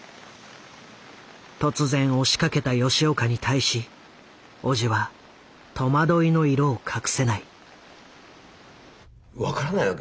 突然押しかけた吉岡に対し叔父は戸惑いの色を隠せない。